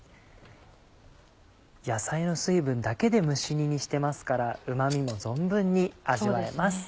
野菜の水分だけで蒸し煮にしてますからうま味も存分に味わえます。